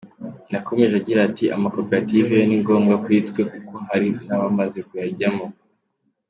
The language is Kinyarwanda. Yakomeje agira ati “Amakoperative yo ni ngombwa kuri twe kuko hari n’abamaze kuyajyam.